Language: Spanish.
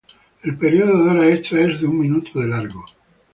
El período de horas extra es de un minuto de largo.